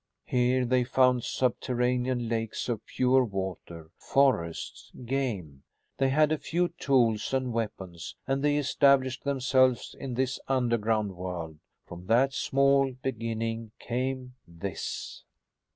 Here they found subterranean lakes of pure water; forests, game. They had a few tools and weapons and they established themselves in this underground world. From that small beginning came this!"